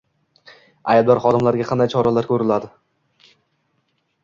aybdor xodimlarga qanday choralar ko‘riladi?